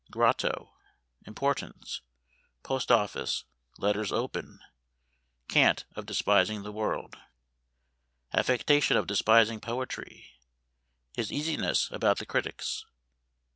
Grotto. Importance. Post office, letters open_. Cant of despising the world. Affectation of despising poetry. _His easiness about the critics.